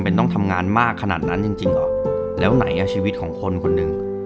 เป็นต้องทำงานมากขนาดนั้นจริงจริงเหรอแล้วไหนอ่ะชีวิตของคนคนหนึ่ง